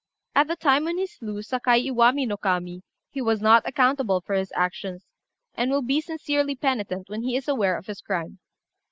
At the time when he slew Sakai Iwami no Kami he was not accountable for his actions, and will be sincerely penitent when he is aware of his crime.